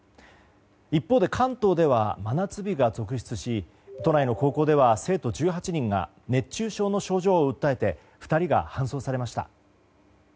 一方で、関東では真夏日が続出し都内の高校では生徒１８人が熱中症の症状を訴えて２人が搬送されました。